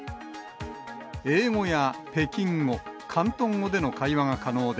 英語や北京語、広東語での会話が可能で、